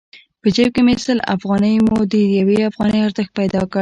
په جېب کې سل افغانۍ مو د يوې افغانۍ ارزښت پيدا کړ.